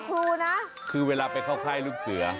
อรุณใจลูกเสือ